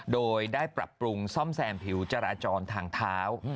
โดยได้ปรับปรุงซ่อมแซมผิวจราจรทางเท้า